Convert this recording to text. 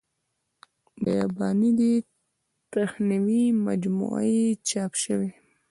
بیاباني دې تخنوي مجموعه یې چاپ شوې.